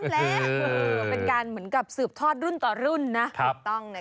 และเป็นการเหมือนกับสืบทอดรุ่นต่อรุ่นนะถูกต้องนะ